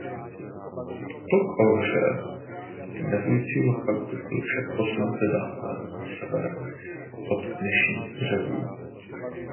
Tok Ohře vymezující lokalitu byl však posunut dále na sever od dnešních břehů.